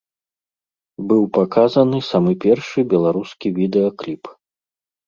Быў паказаны сама першы беларускі відэакліп.